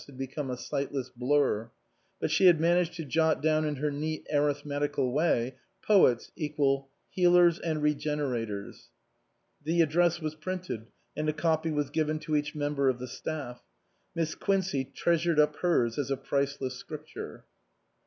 had become a sightless blur. But she had managed to jot down in her neat arithmetical way :" Poets = healers and regenerators." The address was printed and a copy was given to each member of the staff. Miss Quincey treasured up hers as a priceless scripture.